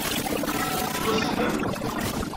Tettwassnem?